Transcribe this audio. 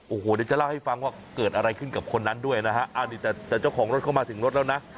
โอ้โหเดี๋ยวจะเล่าให้ฟังว่าเกิดอะไรขึ้นกับคนนั้นด้วยนะฮะอันนี้แต่เจ้าของรถเข้ามาถึงรถแล้วนะ